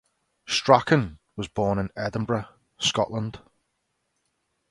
Strachan was born in Edinburgh, Scotland.